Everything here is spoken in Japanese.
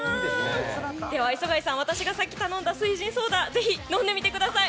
では磯貝さん、私がさっき頼んだ翠ジンソーダぜひ、飲んでみてください。